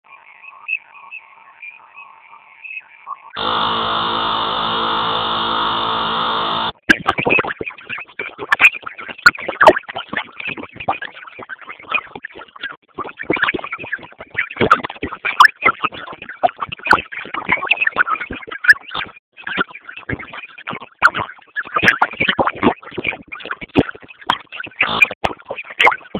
Errusiarra zen, gaur egungo Ukrainan jaioa.